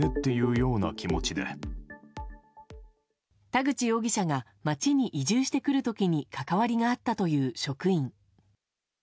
田口容疑者が町に移住してくる時に関わりがあったという職員。